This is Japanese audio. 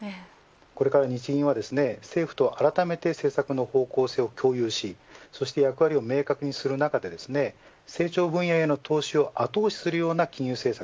これから日銀は政府とあらためて政策の方向性を共有し役割を明確にする中で成長分野への投資を後押しするような金融政策